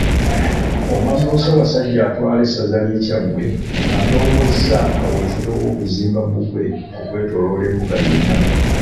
Omwami wa Ssaabasajja atwala essaza lye Kyaggwe, atongozza kaweefube w'okuzimba bbugwe okwetooloola Embuga yonna .